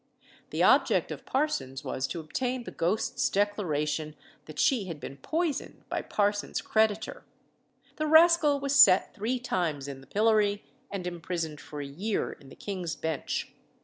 The object of Parsons was to obtain the ghost's declaration that she had been poisoned by Parsons's creditor. The rascal was set three times in the pillory and imprisoned for a year in the King's Bench.